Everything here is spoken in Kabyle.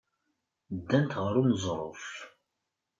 Ddant ɣer uneẓruf.